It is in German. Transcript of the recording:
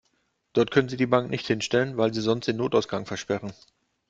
Dort können Sie die Bank nicht hinstellen, weil Sie sonst den Notausgang versperren.